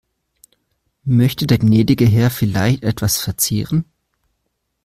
Möchte der gnädige Herr vielleicht etwas verzehren?